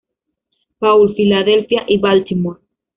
Paul, Philadelphia y Baltimore.